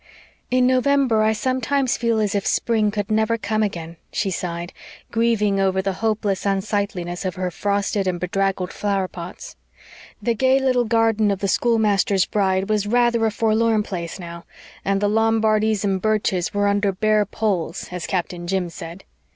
"In November I sometimes feel as if spring could never come again," she sighed, grieving over the hopeless unsightliness of her frosted and bedraggled flower plots. The gay little garden of the schoolmaster's bride was rather a forlorn place now, and the Lombardies and birches were under bare poles, as Captain Jim said.